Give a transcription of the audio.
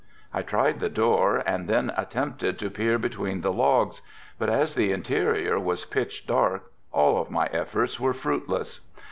I tried the door and then attempted to peer between the logs, but as the interior was pitch dark all of my efforts were fruitless.